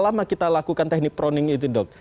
lama kita lakukan teknik proning itu dok